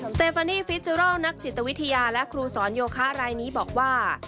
เฟฟานีฟิจิรอลนักจิตวิทยาและครูสอนโยคะรายนี้บอกว่า